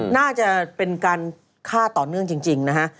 น่าจะเป็นการฆ่าต่อเนื่องจริงนะฮะ